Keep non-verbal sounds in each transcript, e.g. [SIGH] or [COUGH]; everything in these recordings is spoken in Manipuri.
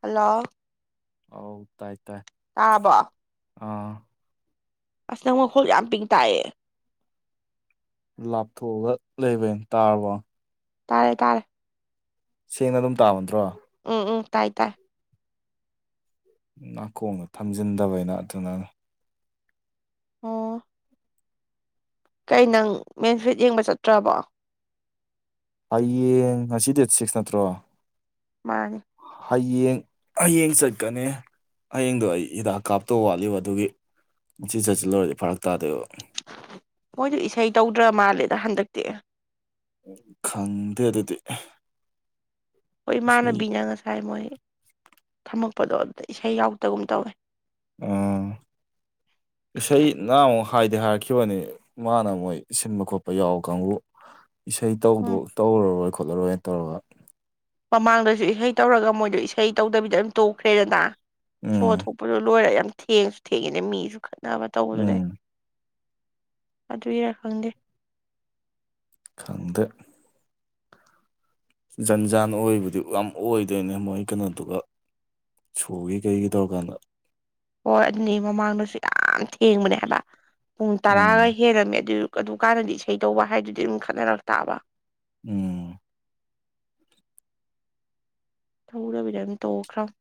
ꯍꯜꯂꯣ ꯍꯧ ꯇꯥꯏ ꯇꯥꯏ ꯇꯕꯣ ꯑꯥ ꯑꯁ ꯅꯪ ꯃꯈꯣꯜ ꯌꯥꯝꯄꯤꯛꯅ ꯇꯥꯏꯌꯦ ꯂꯥꯞꯊꯣꯛꯑꯒ ꯂꯩꯕꯩꯅꯦ ꯇꯥꯔꯕꯣ ꯇꯥꯔꯦ ꯇꯥꯔꯦ ꯁꯦꯡꯅ ꯑꯗꯨꯝ ꯇꯥꯕ ꯅꯠꯇ꯭ꯔꯣ ꯎꯝ ꯎꯝ ꯇꯥꯏ ꯇꯥꯏ ꯅꯥꯀꯣꯡꯗ ꯊꯥꯝꯖꯤꯟꯗꯕꯩꯅ ꯑꯗꯨꯅꯅꯤ ꯑꯣ ꯀꯩ ꯅꯪ ꯃꯦꯟ ꯐꯔꯤꯠ ꯌꯦꯡꯕ ꯆꯥꯠꯇ꯭ꯔꯕꯣ ꯍꯌꯦꯡ ꯉꯁꯤ ꯗꯦꯠ ꯁꯤꯛꯁ ꯅꯠꯇ꯭ꯔꯣ ꯃꯥꯅꯦ ꯍꯌꯦꯡ ꯍꯌꯦꯡ ꯆꯠꯀꯅꯤ ꯍꯌꯦꯡꯗꯣ ꯑꯩ ꯍꯤꯗꯥꯛ ꯀꯥꯞꯇꯧ ꯋꯥꯠꯂꯤꯕ ꯑꯗꯨꯒꯤ ꯉꯁꯤ ꯆꯥꯠꯁꯤꯜ ꯂꯨꯔꯗꯤ ꯐꯔꯛ ꯇꯥꯗꯣꯏꯕ ꯃꯣꯏꯗꯣ ꯏꯁꯩ ꯇꯧꯗ꯭ꯔ ꯃꯥꯜꯂꯦꯗ ꯍꯥꯟꯗꯛꯇꯤ ꯈꯪꯗꯦ ꯑꯗꯨꯗꯤ ꯍꯣꯏ ꯏꯁꯩ ꯏꯃꯥꯟꯅꯕꯤꯅ ꯉꯁꯥꯏ ꯃꯣꯏ ꯊꯥꯝꯃꯛꯄꯗꯣ ꯑꯗꯨꯗ ꯏꯁꯩ ꯌꯥꯎꯗꯒꯨꯝ ꯇꯧꯋꯦ ꯑ ꯏꯁꯩ ꯅ [UNINTELLIGIBLE] ꯍꯥꯏꯗꯤ ꯍꯥꯏꯔꯛꯈꯤꯕꯅꯤ ꯏꯃꯥꯟꯅꯕ ꯃꯣꯏ ꯁꯤꯟꯕ ꯈꯣꯠꯄ ꯌꯥꯎ ꯀꯥꯡꯕꯨ ꯏꯁꯩ ꯇꯧꯗꯨ ꯎꯝ ꯇꯧꯔꯔꯣꯏ ꯈꯣꯠꯂꯔꯣꯏꯅ ꯇꯧꯔꯒ ꯃꯃꯥꯡꯗꯁꯨ ꯏꯁꯩ ꯇꯧꯔꯒ ꯃꯣꯏꯗꯣ ꯏꯁꯩ ꯇꯧꯗꯕꯤꯗ ꯑꯗꯨꯝ ꯇꯣꯛꯈ꯭ꯔꯦꯗꯗ ꯁꯣ ꯎꯝ ꯊꯣꯛꯄꯗꯨꯣ ꯂꯣꯏꯔ ꯌꯥꯝ ꯊꯦꯡꯉꯁꯨ ꯊꯦꯡꯉꯤꯅꯦ ꯃꯤꯁꯨ ꯈꯠꯅꯕ ꯎꯝ ꯇꯧꯕꯗꯨꯗꯩ ꯑꯗꯨꯏꯔ ꯈꯪꯗꯦ ꯈꯪꯗꯦ ꯖꯟ ꯖꯥꯟ ꯑꯣꯏꯕꯗꯤ ꯌꯥꯝ ꯑꯣꯏꯗꯣꯏꯅꯦ ꯃꯣꯏ ꯀꯩꯅꯣꯗꯨꯒ ꯁꯣꯒꯤ ꯀꯩꯒꯤ ꯇꯣꯔꯒꯥꯟꯗ ꯍꯣꯏ ꯑꯗꯨꯅꯤ ꯃꯃꯥꯡꯗꯁꯨ ꯌꯥꯝ ꯊꯦꯡꯕꯅꯦ ꯍꯥꯏꯕ ꯄꯨꯡ ꯇꯔꯥꯒ ꯎꯝ ꯍꯦꯜꯂꯝꯝꯃꯦ ꯑꯗꯨꯖꯨ ꯑꯗꯨ ꯀꯥꯟꯗꯗꯤ ꯏꯁꯩ ꯇꯧꯕ ꯍꯥꯏꯗꯨꯗꯤ ꯑꯗꯨꯝ ꯈꯠꯅꯔꯛ ꯇꯥꯕ ꯎꯝ ꯊꯧꯗꯕꯤꯗ ꯑꯗꯨꯝ ꯇꯣꯛꯈ꯭ꯔꯝꯅꯤ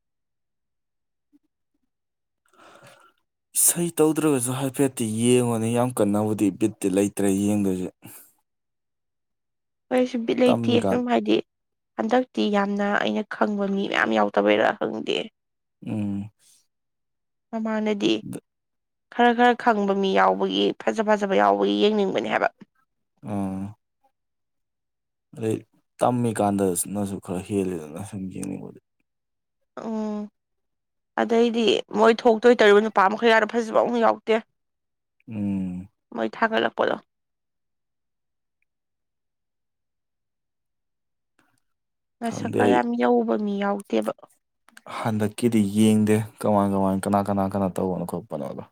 ꯏꯁꯩ ꯇꯧꯗ꯭ꯔꯒꯁꯨ ꯍꯥꯏꯐꯦꯠꯇꯤ ꯌꯦꯡꯉꯨꯅꯤ ꯌꯥꯝ ꯀꯟꯅꯕꯨꯗꯤ ꯕꯤꯠꯇꯤ ꯂꯩꯇ꯭ꯔꯦ ꯌꯦꯡꯗꯨꯏꯁꯦ [INAUDIBLE] ꯑꯩꯁꯨ ꯕꯤꯠ ꯂꯩꯇꯦ ꯇꯝꯃꯤꯀꯥꯟ ꯗꯨꯝ ꯍꯥꯏꯗꯤ ꯍꯟꯗꯛꯇꯤ ꯌꯥꯝꯅ ꯑꯩꯅ ꯈꯪꯕ ꯃꯤ ꯃꯌꯥꯝ ꯌꯥꯎꯗꯕꯩꯔꯥ ꯈꯪꯗꯦ ꯎꯝ ꯃꯃꯥꯟꯅꯗꯤ ꯈꯔ ꯈꯔ ꯈꯪꯕ ꯃꯤ ꯌꯥꯎꯕꯒꯤ ꯐꯖ ꯐꯖꯕ ꯌꯥꯎꯕꯒꯤ ꯌꯦꯡꯅꯤꯡꯕꯅꯦ ꯍꯥꯏꯕ ꯑꯥꯑꯥ ꯑꯗꯩ ꯇꯝꯃꯤꯀꯥꯟꯗ ꯅꯖꯨ ꯈꯔ ꯍꯦꯜꯂꯤꯗꯅ ꯁꯨꯝ ꯌꯦꯡꯅꯤꯡꯕꯗꯤ ꯎꯪꯎꯪ ꯑꯗꯩꯗꯤ ꯃꯣꯏ ꯊꯣꯛꯇꯣꯏ ꯇꯧꯔꯤꯕ ꯅꯨꯄꯥ ꯃꯈꯩ ꯌꯥꯝ ꯐꯖꯕꯥꯃꯐꯥꯎ ꯌꯥꯎꯗꯦ INAUDIBLE ꯃꯣꯏ ꯊꯥꯒꯠꯂꯛꯄꯗꯣ ꯈꯪꯗꯦ ꯃꯁꯛꯀ ꯑꯩ ꯌꯥꯝ ꯌꯧꯕ ꯃꯤ ꯌꯥꯎꯗꯦꯕ ꯍꯟꯗꯛꯀꯤꯗꯤ ꯌꯦꯡꯗꯦ ꯀꯃꯥꯏ- ꯀꯃꯥꯏ ꯀꯅꯥ ꯀꯅꯥ- ꯀꯅꯥ ꯇꯧꯕꯅꯣ- ꯈꯣꯠꯄꯅꯣꯗꯣ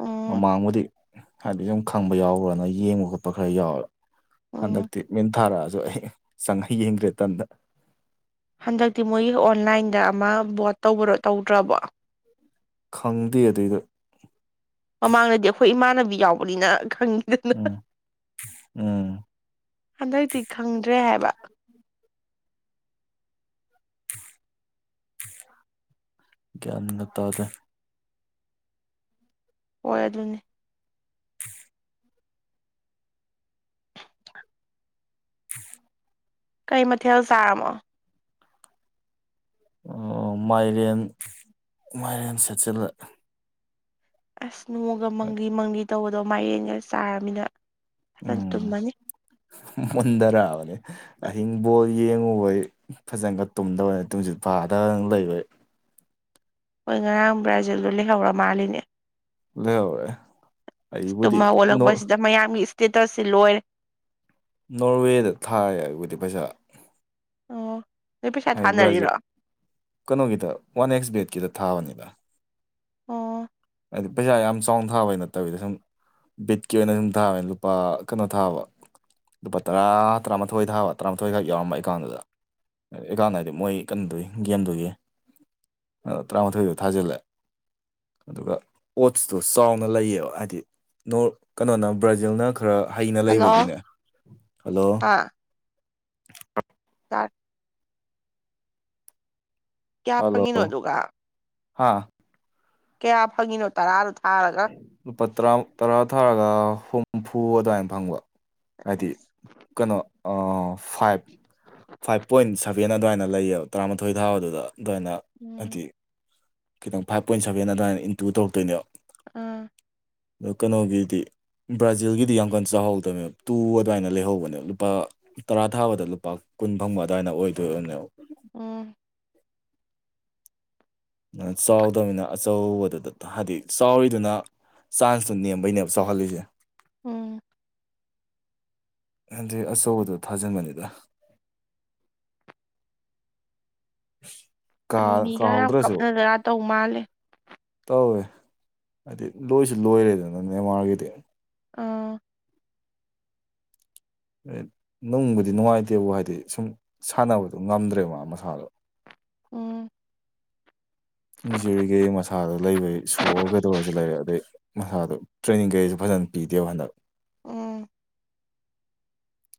ꯎꯝ ꯃꯃꯥꯡꯕꯨꯗꯤ ꯍꯥꯏꯕꯗꯤ ꯈꯪꯕ ꯌꯥꯎꯕ꯭ꯔꯅ ꯌꯦꯡꯕ- ꯈꯣꯠꯄ ꯈꯔ ꯌꯥꯎꯋꯦ ꯎꯝ ꯍꯟꯗꯛꯇꯤ ꯃꯤꯟ ꯊꯥꯔꯛꯑꯖꯨ ꯑꯩ ꯆꯪ ꯌꯦꯡꯗ꯭ꯔꯦ ꯇꯟꯗ ꯍꯟꯗꯛꯇꯤ ꯃꯣꯏꯒꯤ ꯑꯣꯟꯂꯥꯏꯟꯗ ꯑꯃ ꯕꯣꯠ ꯇꯧꯕꯣ ꯇꯧꯗ꯭ꯔꯕꯣ ꯈꯪꯗꯦ ꯑꯗꯨꯏꯗꯣ ꯃꯃꯥꯡꯗꯗꯤ ꯑꯩꯈꯣꯏ ꯏꯃꯥꯟꯅꯕꯤ ꯌꯥꯎꯕꯅꯤꯅ ꯈꯪꯉꯤꯗꯅꯥ ꯎꯝ ꯎꯝ ꯍꯟꯗꯛꯇꯤ ꯈꯪꯗ꯭ꯔꯦ ꯍꯥꯏꯕ ꯒ꯭ꯌꯥꯟꯒ ꯇꯥꯗꯦ ꯍꯣꯏ ꯑꯗꯨꯅꯤ INAUDIBLE ꯀꯩ ꯃꯊꯦꯜ ꯆꯥꯔꯝꯃꯣ ꯑꯣꯑꯣ ꯃꯥꯏꯔꯦꯟ ꯃꯥꯏꯔꯦꯟ ꯁꯦꯠꯆꯤꯜꯂꯦ ꯑꯥꯁ ꯅꯣꯡꯒ ꯃꯪꯂꯤ ꯃꯪꯂꯤ ꯇꯧꯕꯗꯣ ꯃꯥꯏꯔꯦꯟꯒ ꯆꯥꯔꯃꯤꯅ ꯐꯖꯅ ꯎꯝ ꯇꯨꯝꯃꯅꯤ ꯃꯨꯟꯗ꯭ꯔ ꯑꯕꯅꯤ ꯑꯍꯤꯡꯕꯣꯜ UNINTELLIGIBLE ꯍꯣꯏ ꯉꯔꯥꯡ ꯕ꯭ꯔꯥꯖꯤꯜꯗꯣ ꯂꯩꯍꯧꯔ ꯃꯥꯜꯂꯤꯅꯦ UNINTELLIGIBLE ꯇꯨꯝ ꯍꯧꯒꯠꯂꯛꯄꯁꯤꯗ ꯃꯌꯥꯝꯒꯤ ꯏꯁꯇꯦꯇꯁꯁꯤ ꯂꯣꯏꯔꯦ ꯅꯣꯔꯋꯦꯗ ꯊꯥꯏ ꯍꯥꯏꯕꯨꯗꯤ ꯄꯩꯁꯥ ꯑꯣ ꯅꯣꯏ ꯄꯩꯁꯥ ꯍꯥꯏ ꯊꯥꯅꯔꯤꯔꯣ ꯕ꯭ꯔꯥꯖꯤꯠ ꯀꯩꯅꯣꯒꯤꯗ ꯋꯥꯟ ꯑꯦꯛꯁ ꯕꯦꯠꯀꯤꯗ ꯊꯥꯕꯅꯤ INAUDIBLE ꯑꯣꯑꯣ ꯍꯥꯏꯗꯤ ꯄꯩꯁꯥ ꯌꯥꯝ ꯆꯥꯎꯅ ꯊꯥꯕꯩ ꯅꯠꯇꯕꯤꯗ ꯁꯨꯝ ꯕꯤꯠꯀꯤ ꯑꯣꯏꯅ ꯑꯗꯨꯨꯝ ꯊꯥꯕꯅꯤ ꯂꯨꯄꯥ ꯀꯩꯅꯣ ꯊꯥꯕ ꯂꯨꯄꯥ ꯇꯔꯥ ꯇꯔꯥꯃꯥꯊꯣꯏ ꯊꯥꯕ ꯇꯔꯥꯃꯥꯊꯣꯏꯈꯛ ꯌꯥꯎꯔꯝꯕ ꯑꯦꯀꯥꯎꯟꯗꯨꯗ ꯑꯦꯀꯥꯟꯗ ꯍꯥꯏꯗꯤ ꯃꯣꯏ ꯀꯩꯅꯣꯗꯨꯒꯤ ꯒꯦꯝꯗꯨꯒꯤ ꯑꯥ ꯇꯔꯥꯃꯥꯊꯣꯏꯗꯣ ꯊꯥꯖꯤꯜꯂꯦ ꯑꯗꯨꯒ ꯑꯣꯠꯁꯇꯨ ꯆꯥꯎꯅ ꯂꯩꯌꯦꯕ ꯍꯥꯏꯗꯤ ꯅꯣꯔ ꯀꯩꯅꯣꯅ ꯕ꯭ꯔꯥꯖꯤꯜꯅ ꯈꯔ ꯍꯩꯅ ꯍꯜꯂꯣ ꯂꯩꯕꯒꯤꯅꯦ ꯍꯜꯂꯣ ꯇꯥꯔꯠ ꯀꯌꯥ ꯐꯪꯉꯤꯅꯣ ꯑꯗꯨꯒ ꯍꯥꯥ ꯀꯌꯥ ꯐꯪꯉꯤꯅꯣ ꯇꯔꯥꯗꯨꯗ ꯂꯨꯄꯥ ꯇꯔꯥ ꯇꯔꯥ ꯊꯥꯔꯒ ꯍꯨꯝꯐꯨ ꯑꯗꯨꯃꯥꯏꯅ ꯐꯪꯕ ꯍꯥꯏꯗꯤ ꯑꯁ ꯀꯩꯅꯣ ꯑꯥ ꯐꯥꯏꯚ ꯐꯥꯏꯚ ꯄꯣꯏꯟ ꯁꯚꯦꯟ ꯑꯗꯨꯃꯥꯏꯅ ꯂꯩꯌꯦꯕ ꯇꯔꯥꯃꯥꯊꯣꯏ ꯊꯥꯕꯗꯨꯗ ꯑꯗꯨꯃꯥꯏꯅ ꯎꯝ ꯍꯥꯏꯗꯤ ꯈꯤꯇꯪ ꯐꯥꯏꯚ ꯄꯣꯏꯟ ꯁꯚꯦꯟ ꯑꯗꯨꯃꯥꯏꯅ ꯏꯟꯇꯨ ꯇꯧꯔꯛꯇꯣꯏꯅꯦꯕ ꯑꯥ ꯀꯩꯅꯣ ꯒꯤꯗꯤ ꯕ꯭ꯔꯥꯖꯤꯜꯒꯤꯗꯤ ꯌꯥꯝ ꯀꯟꯅ ꯆꯥꯍꯎꯗꯕꯅꯦꯕ ꯇꯨ ꯑꯗꯨꯃꯥꯏꯅ ꯂꯩꯍꯧꯕꯅꯦ ꯂꯨꯄꯥ ꯇꯔꯥ ꯊꯥꯕꯗ ꯂꯨꯄꯥ ꯀꯨꯟ ꯐꯪꯕ ꯑꯗꯥꯏꯅ ꯑꯣꯏꯗꯣꯏ ꯑꯣꯔꯝꯅꯦ ꯎꯝ ꯆꯥꯎꯗꯕꯅꯤꯅ ꯑꯆꯧꯕꯗꯨꯗ ꯍꯥꯏꯗꯤ ꯆꯥꯎꯔꯤꯗꯨꯅ ꯆꯥꯟꯁꯇꯣ ꯅꯦꯝꯕꯩꯅꯦꯕ ꯆꯥꯎꯍꯜꯂꯤꯁꯦ ꯎꯝ ꯍꯥꯏꯗꯤ ꯑꯆꯧꯕꯗꯣ ꯊꯥꯖꯤꯟꯕꯅꯤꯗ [UNINTELLIGIBLE] [UNINTELLIGIBLE] ꯑꯗꯨ ꯃꯤꯒ ꯌꯥꯝ ꯀꯥꯍꯧꯗ꯭ꯔꯁꯨ ꯀꯞꯅꯗꯅ ꯇꯧꯕ ꯃꯥꯜꯂꯦ ꯇꯧꯋꯦ ꯍꯥꯏꯗꯤ ꯂꯣꯏꯁꯨ ꯂꯣꯏꯔꯦꯗꯅ ꯃꯦꯃꯥꯔꯒꯤꯗꯤ ꯑꯥ ꯑꯦꯠ ꯅꯨꯡꯕꯨꯗꯤ ꯅꯨꯡꯉꯥꯏꯇꯦꯕꯨ ꯍꯥꯏꯗꯤ ꯁꯨꯝ ꯁꯥꯟꯅꯕꯗꯨꯣ ꯉꯝꯗ꯭ꯔꯦ ꯃꯥ ꯃꯁꯥꯗꯣ ꯎꯝ ꯏꯟꯖꯨꯔꯤꯒꯤ ꯃꯁꯥꯗꯣ ꯂꯩꯕꯒꯤ ꯁꯣꯛꯑ ꯀꯩꯗꯧꯔꯁꯨ ꯂꯩꯔꯦ ꯑꯗꯩ ꯃꯁꯥꯗꯣ ꯇ꯭ꯔꯦꯅꯤꯡ ꯀꯩꯁꯨ ꯐꯖ ꯅ ꯑꯄꯤꯗꯦꯕ ꯍꯟꯗꯛ ꯎꯝ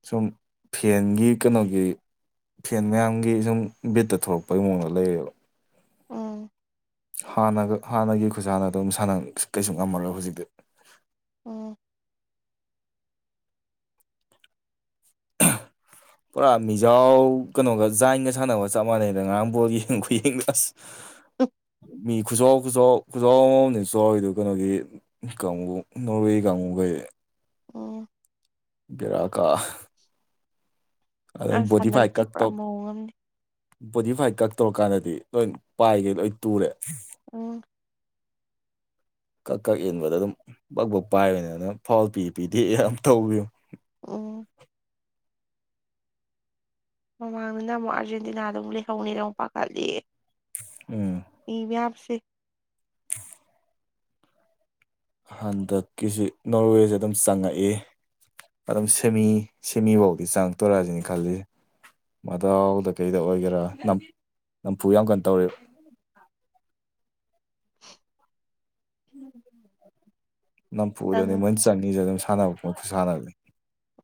ꯁꯨꯝ ꯐꯦꯟꯒꯤ ꯀꯩꯅꯣꯒꯤ ꯐꯦꯟ ꯃꯌꯥꯝꯒꯤ ꯁꯨꯝ ꯕꯕꯤꯠꯇ ꯊꯂꯛꯄꯩ ꯃꯑꯣꯡꯗ ꯂꯩꯌꯦꯕ ꯎꯝ ꯍꯥꯟꯅꯒ ꯍꯥꯟꯅꯒꯤ ꯈꯨꯁꯥꯟꯅꯗꯧ ꯁꯥꯟꯅ ꯀꯩꯁꯨ ꯉꯝꯃꯔꯣꯏ ꯍꯧꯖꯤꯛꯇꯤ ꯎꯝ [INAUDIBLE] ꯄꯨꯔꯥ ꯃꯤꯖꯥꯎ ꯀꯩꯅꯣꯒ ꯖꯥꯏꯟꯒ ꯁꯥꯟꯅꯕ ꯆꯞ ꯃꯥꯟꯅꯩꯗ ꯉꯔꯥꯡ ꯕꯣꯜ ꯌꯦꯡꯕ ꯈꯨꯌꯦꯡꯗꯨ ꯑꯁ [UNINTELLIGIBLE] ꯃꯤ ꯈꯨꯆꯥꯎ ꯈꯨꯆꯥꯎ ꯈꯨꯖꯥꯎ ꯑꯃꯃꯝꯗꯅꯤ ꯆꯥꯎꯔꯤꯗꯨ ꯀꯩꯅꯣꯒꯤ ꯀꯥꯡꯕꯨ ꯅꯣꯔꯋꯦ ꯀꯥꯡꯒꯨꯒꯩꯗꯤ ꯎꯝ ꯕꯦꯔꯥ ꯀꯥ ꯑ ꯑꯁ ꯕꯣꯗꯤ ꯐꯥꯏꯠ ꯍꯟꯗꯛꯇꯤ ꯀꯛ ꯄꯨꯔꯥ ꯇꯣꯞ ꯃꯑꯣꯡ ꯑꯃꯅꯤ ꯕꯣꯗꯤꯐꯥꯏꯠ ꯀꯛꯇꯧꯔ ꯀꯥꯟꯗꯗꯤ ꯂꯣꯏ ꯄꯥꯏꯈꯩ ꯂꯣꯏ ꯇꯨꯔꯦ ꯑꯣ ꯀꯛ ꯀꯛ ꯏꯟꯕꯗ ꯑꯗꯨꯝ ꯕꯛ ꯕꯛ ꯄꯥꯏꯕꯅꯤ ꯑꯗꯨꯝ ꯐꯥꯎꯜ ꯄꯤ ꯄꯤꯗꯤꯦ ꯌꯥꯝ ꯇꯧꯒꯤꯝꯅꯤ ꯎꯝ ꯃꯃꯥꯡꯗꯅ ꯑꯃꯨꯛ ꯑꯥꯔꯖꯦꯟꯇꯤꯅꯥꯗꯨ ꯂꯩꯍꯧꯅꯤꯅ ꯑꯃꯨꯛ ꯄꯥꯈꯠꯂꯤ ꯎꯝ ꯏ ꯃꯌꯥꯝꯁꯦ [UNINTELLIGIBLE] ꯍꯟꯗꯛꯀꯤꯁꯤ ꯅꯣꯔꯋꯦꯁꯦ ꯑꯗꯨꯝ ꯆꯪꯉꯛꯏ ꯑꯗꯨꯝ ꯁꯦꯝꯃꯤ ꯁꯦꯝꯃꯤ ꯐꯥꯎꯗꯤ ꯆꯥꯡ ꯇꯣꯔꯁꯤꯅꯤ ꯈꯜꯂꯤꯁꯦ ꯃꯗꯥꯎꯗ ꯀꯩꯗ ꯑꯣꯏꯒꯦꯔꯥ ꯅꯝ ꯅꯝꯐꯨ ꯌꯥꯝ ꯀꯟ ꯇꯧꯔꯝꯅꯤ [INAUDIBLE] ꯅꯝꯐꯨꯗꯅꯦ ꯅꯪ ꯃꯣꯏ ꯆꯪꯉꯤꯁꯦ ꯑꯗꯨꯝ ꯁꯥꯟꯅꯕ ꯄꯣꯠꯨ ꯁꯥꯟꯅꯕꯅꯤ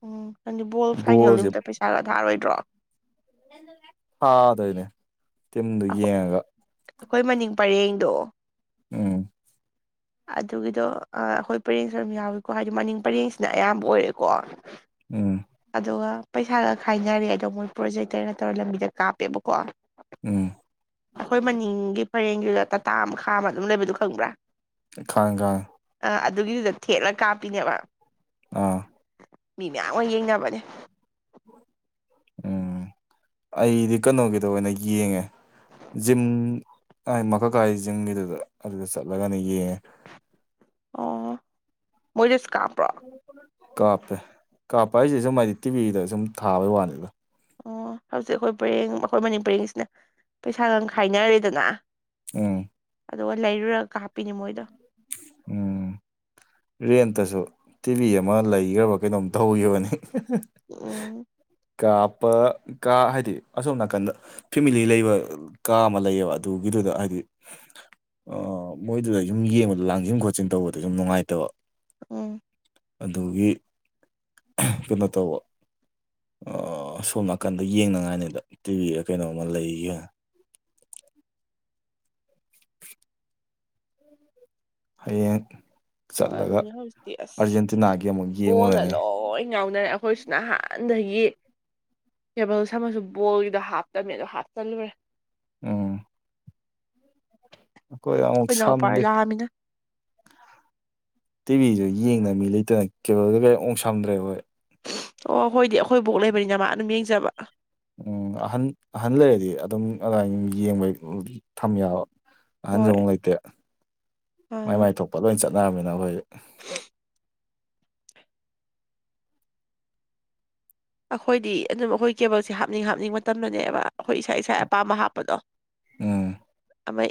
ꯎꯝ ꯅꯪꯗꯤ ꯕꯣꯜ ꯐꯥꯏꯅꯦꯜ ꯅꯨꯃꯤꯠꯇ ꯄꯩꯁꯥꯔ ꯊꯥꯔꯣꯏꯗ꯭ꯔꯣ ꯐꯥꯗꯣꯏꯅꯦ ꯇꯤꯝꯗꯨ ꯑꯈꯣꯏ ꯌꯦꯡꯉꯒ ꯑꯩꯈꯣꯏ ꯃꯅꯤꯡ ꯄꯔꯦꯡꯗꯣ ꯎꯝ ꯑꯗꯨꯒꯤꯗꯣ ꯑ ꯑꯩꯈꯣꯏ ꯄꯔꯦꯡꯁꯨ ꯑꯗꯨꯝ ꯌꯥꯎꯏꯀꯣ ꯍꯥꯏꯗꯤ ꯃꯅꯤꯡ ꯄꯔꯦꯡꯁꯤꯅ ꯑꯌꯥꯝꯕ ꯑꯣꯏꯔꯦꯀꯣ ꯎꯝ ꯑꯗꯨꯒ ꯄꯩꯁꯥꯒ ꯈꯥꯏꯅꯔꯦ ꯑꯗꯣ ꯃꯣꯏ ꯄ꯭ꯔꯣꯖꯦꯛꯇꯔ ꯅ ꯇꯧꯔꯒ ꯂꯝꯕꯤꯗ ꯀꯥꯞꯄꯦꯕꯀꯣ ꯎꯝ ꯑꯩꯈꯣꯏ ꯃꯅꯤꯡꯒꯤ ꯄꯔꯦꯡꯒꯤꯗ ꯇꯥꯇꯥ ꯑꯃ ꯈꯥꯝꯃꯒ ꯑꯗꯨꯝ ꯂꯩꯕꯗꯨꯣ ꯈꯪꯕ꯭ꯔꯥ ꯈꯥꯡꯉꯦ ꯈꯥꯡꯉꯦ ꯑꯗꯨꯒꯤꯗꯨꯗ ꯊꯦꯠꯂ ꯀꯥꯞꯄꯤꯅꯦꯕ ꯑꯥ ꯃꯤ ꯃꯌꯥꯝ ꯑꯃ ꯌꯦꯡꯅꯕꯅꯦ ꯎꯝ [INAUDIBLE] ꯑꯩꯗꯤ ꯀꯩꯅꯣꯒꯤꯗꯣ ꯑꯣꯏꯅ ꯌꯦꯡꯉꯦ ꯖꯤꯝ ꯃꯀꯛꯀꯥꯏ ꯖꯤꯝꯒꯤꯗꯨꯗ ꯑꯗꯨꯗ ꯆꯠꯂꯒꯅꯦ ꯌꯦꯡꯉꯦ ꯑꯣ ꯃꯣꯏꯗꯁꯨ ꯀꯥꯄ꯭ꯔꯣ ꯀꯥꯞꯄꯦ ꯀꯥꯞꯄ ꯍꯥꯏꯁꯦ ꯁꯨꯝ ꯍꯥꯏꯗꯤ ꯇꯤꯚꯤꯗ ꯁꯨꯝ ꯊꯥꯕꯩ ꯋꯥꯅꯤꯗ ꯑꯣ ꯍꯧꯖꯤꯛ ꯑꯩꯈꯣꯏ ꯄꯔꯦꯡ ꯑꯩꯈꯣꯏ ꯃꯅꯤ ꯄꯔꯦꯡꯁꯤꯅ ꯄꯩꯁꯥꯒ ꯈꯥꯏꯅꯔꯦꯗꯅ ꯑꯣ ꯑꯗꯨꯒ ꯂꯩꯔꯨꯔꯒ ꯀꯥꯞꯄꯤꯅꯤ ꯃꯣꯏꯗꯣ ꯎꯝ ꯔꯦꯟꯇꯁꯨ ꯇꯤꯚꯤ ꯑꯃ ꯂꯩꯈ꯭ꯔꯕ ꯀꯩꯅꯣꯝ ꯇꯧꯈꯤꯕꯅꯤ ꯎꯝ [UNINTELLIGIBLE] ꯀꯥꯞꯄ ꯀꯥ ꯍꯥꯏꯗꯤ ꯑꯁꯣꯝ ꯅꯥꯀꯟꯗ ꯐꯦꯃꯤꯂꯤ ꯂꯩꯕ ꯀꯥ ꯑꯃ ꯂꯩꯌꯦꯕ ꯑꯗꯨꯒꯤ ꯑꯗꯨꯗ ꯍꯥꯏꯗꯤ ꯑꯥ ꯃꯣꯏꯗꯨꯗ ꯁꯨꯝ ꯌꯦꯡꯕꯗ ꯂꯥꯡꯁꯤꯟ ꯈꯣꯠꯆꯤꯟ ꯇꯧꯕꯗ ꯁꯨꯝ ꯅꯨꯡꯉꯥꯏꯇ ꯇꯕ ꯎꯝ ꯑꯗꯨꯒꯤ ꯀꯩꯅꯣ ꯇꯧꯕ ꯁꯣꯝ ꯅꯥꯀꯟꯗ ꯌꯦꯡꯅꯉꯥꯏꯅꯤꯗꯣ ꯇꯤꯚꯤꯗ ꯀꯩꯅꯣꯝꯃ ꯂꯩꯒ [UNINTELLIGIBLE] ꯍꯌꯦꯡ ꯍꯣꯏ ꯆꯠꯂꯒ ꯑꯗꯨꯅꯦ ꯍꯧꯖꯤꯛꯇꯤ ꯑꯁ ꯑꯥꯔꯖꯦꯟꯇꯤꯅꯥꯒꯤ ꯑꯃꯨꯛ ꯌꯦꯡꯉꯨꯔꯅꯤ ꯌꯥꯎꯅꯔꯦ ꯑꯩꯈꯣꯏꯁꯤ ꯅꯍꯥꯟꯗꯒꯤ ꯀꯦꯕꯜꯁ ꯑꯃꯁꯨ ꯕꯣꯜꯒꯤꯗ ꯍꯥꯞꯇꯕꯃꯦ ꯑꯗꯣ ꯍꯥꯞꯆꯜꯂꯨꯔꯦ ꯎꯝ ꯑꯩꯈꯣꯏ ꯑꯃꯨꯛ ꯏꯅꯥꯎꯄꯥ ꯁꯝꯗꯦ ꯂꯥꯛꯑꯃꯤꯅ ꯇꯤꯚꯤꯁꯨ ꯌꯦꯡꯅ ꯃꯤ ꯂꯩꯇꯅ ꯀꯦꯕꯜꯗ ꯀꯔꯤ ꯑꯣꯛ ꯁꯝꯗ꯭ꯔꯦ ꯍꯣꯏ ꯑꯣ ꯍꯣꯏꯗꯤ ꯑꯩꯈꯣꯏ ꯕꯣꯛ ꯂꯩꯕꯅꯤꯅ ꯃꯥ ꯑꯗꯨꯝ ꯌꯦꯡꯖꯕ ꯎꯝ ꯑꯍꯟ ꯑꯍꯟ ꯂꯩꯔꯗꯤ ꯑꯗꯨꯝ ꯑꯗꯨꯃꯥꯏ ꯌꯦꯡꯕꯩ ꯊꯝ ꯌꯥꯕ ꯑꯍꯟꯁꯨ ꯍꯣꯏ ꯑꯃꯨꯛ ꯂꯩꯇ꯭ꯔꯦ ꯃꯥꯏ ꯑꯥ ꯃꯥꯏ ꯊꯣꯛꯄ ꯂꯣꯏ ꯆꯠ [UNINTELLIGIBLE] ꯑꯩꯈꯣꯏꯗꯤ ꯑꯗꯨꯝ ꯑꯩꯈꯣꯏ ꯀꯦꯕꯜꯁꯦ ꯍꯥꯞꯅꯤꯡ ꯍꯥꯞꯅꯤꯡꯕ ꯃꯇꯝꯗꯨꯅꯦꯕ ꯑꯩꯈꯣꯏ ꯏꯁꯥ ꯏꯁꯥ ꯑꯄꯥꯝꯕ ꯍꯥꯞꯄꯗꯣ ꯎꯝ ꯑꯃ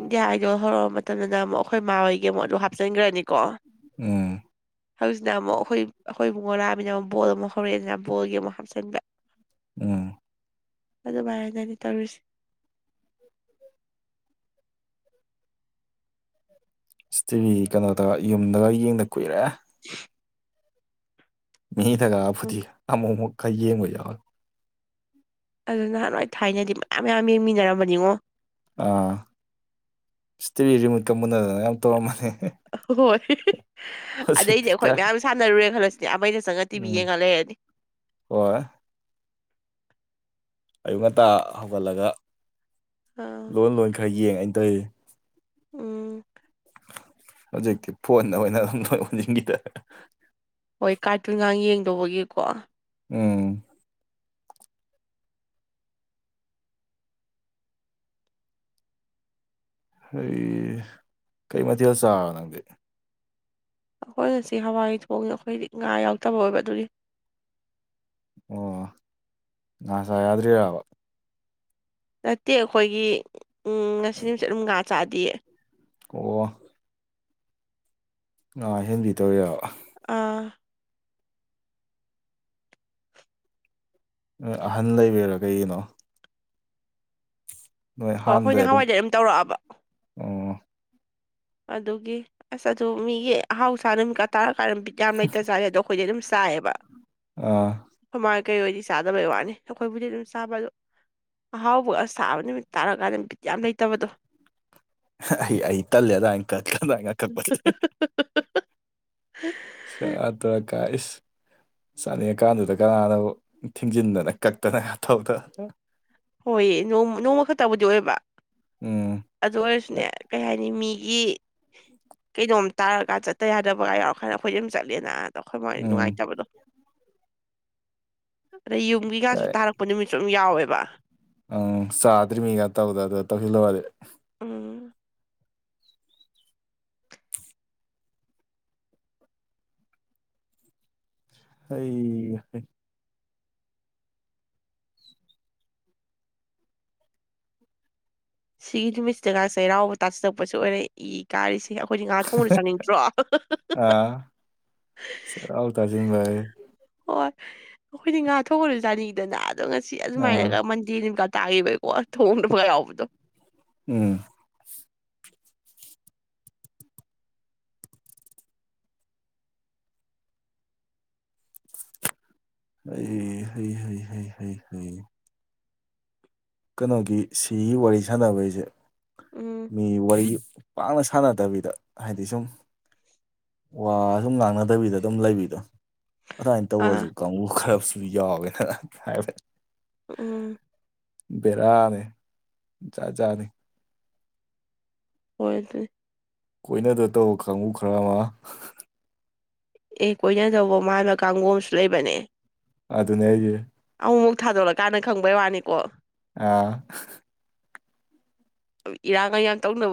ꯏꯟꯗꯤꯌꯥ ꯑꯥꯏꯗꯣꯜ ꯍꯧꯔꯛꯑ ꯃꯇꯝꯗꯅ ꯑꯃꯨꯛ ꯑꯩꯈꯣꯏ ꯃꯥꯥ ꯍꯣꯏꯒꯤ ꯃꯣꯠꯇꯣ ꯍꯥꯞꯆꯤꯟꯈ꯭ꯔꯅꯤꯀꯣ ꯎꯝ ꯍꯧꯖꯤꯛꯁꯤꯅ ꯑꯃꯨꯛ ꯑꯩꯈꯣꯏ ꯑꯩꯈꯣꯏꯕꯨꯨꯡ ꯉꯣꯔꯥꯑꯃꯤꯅ ꯑꯃꯨꯛ ꯕꯣꯜ ꯑꯃꯛ ꯍꯧꯔꯛꯑꯦ ꯑꯗꯨꯅ ꯕꯣꯜꯒꯤ ꯑꯃꯨꯛ ꯍꯥꯞꯆꯤꯟꯕ ꯎꯝ ꯑꯗꯨꯃꯥꯏꯅꯅꯤ ꯇꯧꯔꯤꯁꯦ ꯑꯁ ꯇꯤꯚꯤ ꯀꯩꯅꯣꯗ ꯌꯨꯝꯗꯒ ꯌꯦꯡꯗ ꯀꯨꯏꯔꯦ [INAUDIBLE] ꯃꯤ ꯊꯒꯔ ꯎꯝ ꯐꯨꯊꯤ ꯑꯃꯨꯛ ꯑꯃꯨꯛꯀ ꯌꯦꯡꯕ ꯌꯥꯎꯋꯦ ꯑꯗꯨ ꯅꯍꯥꯟꯋꯥꯏ ꯊꯥꯏꯅꯗꯤ ꯃꯌꯥꯝ ꯃꯌꯥꯝ ꯌꯦꯡꯃꯤꯟꯅꯔꯝꯕꯅꯤꯉꯣ ꯑꯥ ꯁ꯭ꯇꯦꯌ ꯔꯤꯃꯨꯠ ꯀꯃꯨꯅꯦꯜꯅ ꯌꯥꯝ ꯇꯧꯔꯝꯕꯅꯤ ꯍꯣꯏ ꯑꯗꯩꯗꯤ ꯍꯧꯖꯤꯛꯇꯤ ꯑꯩꯈꯣꯏ ꯀꯥꯏ ꯃꯌꯥꯝ ꯁꯥꯟꯅꯔꯨꯔꯦꯅ ꯈꯜꯂꯁꯤꯅꯦ ꯑꯩꯅ ꯆꯪꯉꯛꯑ ꯇꯤꯕꯤ ꯎꯝ ꯌꯦꯡꯒ ꯂꯩꯔꯗꯤ [INAUDIBLE] ꯍꯣꯏ [UNINTELLIGIBLE] ꯑꯌꯨꯛ ꯉꯟꯇꯥ ꯍꯧꯒꯠꯂꯒ ꯑꯥ ꯂꯣꯟ ꯂꯣꯟ ꯈꯔ ꯌꯦꯡ ꯑꯩꯅ ꯇꯧꯔꯤꯅꯤ ꯎꯝ ꯍꯧꯖꯤꯛꯇꯤ ꯐꯣꯟꯗ ꯑꯣꯏꯅ ꯑꯗꯨꯝ ꯑꯣꯁꯤꯟꯈꯤꯗ ꯍꯣꯏ ꯀꯥꯔꯇꯨꯟꯉꯥꯛ ꯌꯦꯡꯗꯧꯕꯒꯤꯀꯣ ꯎꯝ ꯍꯩ ꯀꯩ ꯃꯊꯦꯜ ꯆꯥꯕ ꯅꯪꯗꯤ ꯑꯩꯈꯣꯏ ꯉꯁꯤ ꯍꯋꯥꯏ ꯊꯣꯡꯉꯤ ꯑꯩꯈꯣꯏꯗꯤ ꯉꯥ ꯌꯥꯎꯗꯕ ꯑꯣꯏꯕ ꯑꯗꯨꯗꯤ ꯑꯣ ꯉꯥ ꯆꯥ ꯌꯥꯗ꯭ꯔꯤꯔꯕ ꯅꯠꯇꯦ ꯑꯩꯈꯣꯏꯒꯤ ꯎꯝ ꯉꯁꯤ ꯅꯨꯃꯤꯠꯁꯦ ꯑꯗꯨꯝ ꯉꯥ ꯆꯥꯗꯤꯌꯦ ꯑꯣ ꯉꯥ ꯍꯦꯟꯕꯤ ꯇꯧꯔꯤꯔꯕ ꯑꯥ ꯅꯣꯏ ꯑꯍꯟ ꯂꯩꯕꯩꯔꯥ ꯀꯩꯒꯤꯅꯣ ꯅꯣꯏ ꯍꯣ ꯑꯩꯈꯣꯏ ꯍꯥꯟꯅꯗꯩ ꯅꯍꯥꯟꯋꯥꯏꯗꯒꯤ ꯑꯗꯨꯝ ꯇꯧꯔꯛꯑꯕ ꯑꯣ ꯑꯗꯨꯒꯤ ꯑꯁ ꯑꯗꯨ ꯃꯤꯒꯤ ꯑꯍꯥꯎꯁꯥ ꯅꯨꯃꯤꯠꯀ ꯇꯥꯔꯀꯥꯟ ꯑꯗꯨꯝ ꯕꯤꯠ ꯌꯥꯝ ꯂꯩꯇꯖꯥꯠꯅꯤ ꯑꯗꯣ ꯑꯩꯈꯣꯏꯗꯤ ꯑꯗꯨꯝ ꯇꯥꯏꯕ ꯑ ꯀꯩ ꯑꯣꯏꯗꯤ ꯆꯥꯗꯕꯩ ꯋꯥꯅꯤ ꯑꯩꯈꯣꯏꯕꯨꯗꯤ ꯑꯗꯨꯝ ꯆꯥꯕ ꯑꯗꯣ ꯑꯍꯥꯎꯕꯒ ꯁꯥꯕ ꯅꯨꯃꯤꯠ ꯇꯥꯔꯀꯥꯟꯗ ꯕꯤꯠ ꯌꯥꯝ ꯂꯩꯇꯕꯗꯣ ꯑꯩ ꯑꯩ ꯇꯜꯂꯦ ꯗꯥ ꯑꯪꯀ ꯀꯅꯥꯅ ꯈꯪꯄꯣꯠꯇꯦ ꯁꯦꯔꯥꯟ ꯇꯨꯔꯥꯟ ꯀꯥꯏ ꯏꯁ ꯆꯥꯅꯤꯡꯉꯤꯀꯥꯟꯗꯨꯗ ꯀꯅꯥꯅꯕꯨ ꯊꯤꯡꯖꯤꯟꯗꯅ ꯀꯛꯇꯅ ꯇꯧꯗꯅ ꯍꯣꯏ ꯅꯣꯡꯃ ꯅꯣꯡꯃ ꯈꯛꯇꯕꯨꯗꯤ ꯑꯣꯏꯔꯕ ꯎꯝ ꯑꯗꯨ ꯑꯣꯏꯔꯁꯨꯅꯦ ꯀꯩ ꯍꯥꯏꯅꯤ ꯃꯤ ꯒꯤ ꯀꯩꯅꯣꯝ ꯇꯥꯔꯒ ꯆꯠꯇ ꯌꯥꯗꯕꯒ ꯌꯥꯎꯔ ꯀꯥꯟꯗ ꯑꯩꯈꯣꯏꯁꯨ ꯑꯗꯨꯝ ꯆꯠꯂꯦꯅ ꯑꯗ ꯑꯩꯈꯣꯏ ꯃꯥꯗꯤ ꯎꯝ ꯅꯨꯡꯉꯥꯏꯇꯕꯗꯣ ꯑꯗꯩ ꯌꯨꯝꯒꯤꯒꯁꯨ ꯇꯥꯔꯛꯄ ꯅꯨꯃꯤꯠꯁꯨ ꯑꯗꯨꯝ ꯌꯥꯎꯋꯦꯕ ꯑꯪ ꯆꯥꯗ꯭ꯔꯤ ꯃꯤꯒ ꯇꯧꯗꯅ ꯇꯧꯁꯤꯜꯂꯨꯔꯗꯤ ꯎꯝ ꯑꯩ ꯍꯩ ꯁꯤꯒꯤ ꯅꯨꯃꯤꯠꯁꯤꯗꯒ ꯆꯩꯔꯥꯎꯕ ꯇꯥꯁꯤꯜꯂꯛꯄꯁꯤ ꯑꯣꯏꯔꯦ ꯏ ꯀꯥꯔꯤꯁꯤ ꯌꯥꯝ ꯑꯩꯈꯣꯏꯗꯤ ꯉꯥ ꯊꯣꯡꯕꯗꯣ ꯆꯪꯅꯤꯡꯗ꯭ꯔꯣ ꯆꯩꯔꯥꯎ ꯇꯥꯗꯤ ꯅꯨꯡꯉꯥꯏꯌꯦ ꯍꯣꯏ ꯑꯩꯈꯣꯏꯗꯤ ꯉꯥ ꯊꯣꯛꯉꯁꯨ ꯆꯥꯅꯤꯡꯉꯤꯗꯅ ꯑꯗꯣ ꯉꯁꯤ ꯑꯥ ꯑꯗꯨꯃꯥꯏꯅꯒ ꯃꯟꯗꯦꯅꯤꯒ ꯇꯥꯈꯤꯕꯩꯀꯣ ꯊꯣꯡꯗꯕꯒ ꯌꯥꯎꯕꯗꯣ ꯎꯝ ꯑꯩ ꯍꯩ ꯍꯩ ꯍꯩ ꯍꯩ ꯍꯩ ꯀꯩꯅꯣꯒꯤ ꯁꯤꯒꯤ ꯋꯥꯔꯤ ꯁꯥꯟꯅꯕꯩꯁꯦ ꯎꯝ ꯃꯤꯒꯤ ꯋꯥꯔꯤ ꯄꯥꯛꯅ ꯁꯥꯟꯅꯗꯕꯤꯗ ꯍꯥꯏꯗꯤ ꯁꯨꯝ ꯋꯥ ꯁꯨꯝ ꯉꯥꯡꯅꯗꯕꯤꯗ ꯑꯗꯨꯝ ꯂꯩꯕꯤꯗꯣ ꯑꯗꯨꯃꯥꯏꯅ ꯑꯥ ꯇꯧꯔꯁꯨ ꯀꯥꯡꯕꯨ ꯈꯔꯁꯨ ꯌꯥꯎꯋꯦꯅ ꯍꯥꯏꯕ ꯎꯝ ꯕꯦꯔꯥꯅꯦ ꯖꯥꯖꯥꯠꯅꯤ ꯍꯣꯏ ꯑꯗꯨ ꯀꯣꯏꯅꯗꯣꯏ ꯇꯧꯕ ꯀꯥꯡꯕꯨ ꯈꯔ ꯑꯃ ꯑꯦ ꯀꯣꯏꯅꯗꯧꯕ ꯃꯥꯥꯟꯕ ꯀꯥꯡꯕꯨ ꯑꯃꯁꯨ ꯂꯩꯕꯅꯦ ꯑꯗꯨꯅꯦ ꯑꯩꯁꯦ ꯑꯃꯨꯛ ꯃꯨꯛ ꯊꯥꯗꯣꯂꯛꯀꯥꯟꯗ ꯈꯪꯕꯩ ꯋꯥꯅꯤꯀꯣ ꯑꯥ ꯏꯔꯥꯡꯀ ꯌꯥꯥꯝ ꯇꯧꯅꯕ